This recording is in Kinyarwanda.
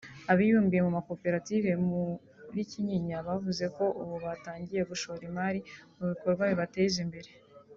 Abibumbiye mu makoperative muri Kinyinya bavuze ko ubu batangiye gushora imari mu bikorwa bibateza imbere